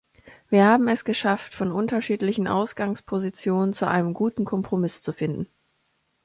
Wir haben es geschafft, von unterschiedlichen Ausgangspositionen zu einem guten Kompromiss zu finden.